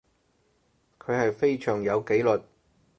佢係非常有紀律